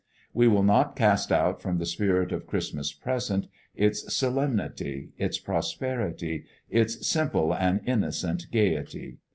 We will not cast out from the Spirit of Christmas Present its solemnity, its prosperity, its simple and innocent gayety.